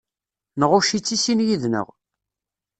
Nɣucc-itt i sin yid-nneɣ.